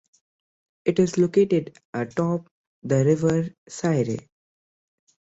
It is located atop the river Syre.